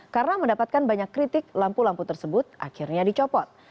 karena mendapatkan banyak kritik lampu lampu tersebut akhirnya dicopot